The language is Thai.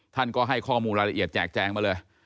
ท่านก็ให้ข้อมูลรายละเอียดแจกแจงมาเลย